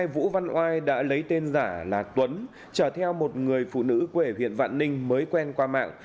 vũ văn oai đã lấy tên giả là tuấn trở theo một người phụ nữ quê huyện vạn ninh mới quen qua mạng